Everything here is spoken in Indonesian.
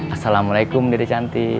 assalamualaikum dede cantik